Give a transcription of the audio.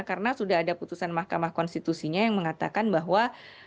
karena sudah ada putusan mahkamah konstitusinya yang mengatakan bahwa